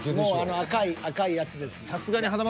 赤い赤いやつです。